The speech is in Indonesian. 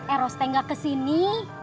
eros tinggal ke sini